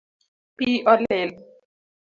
Pi olil